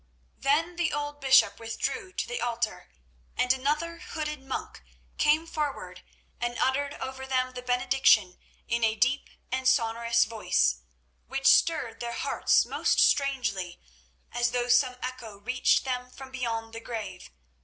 Then the old bishop withdrew to the altar, and another hooded monk came forward and uttered over them the benediction in a deep and sonorous voice, which stirred their hearts most strangely, as though some echo reached them from beyond the grave.